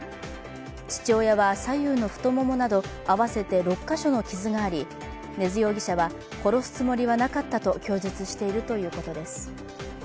父親は左右の太ももなど合わせて６か所の傷があり根津容疑者は、殺すつもりはなかったと供述しているということです。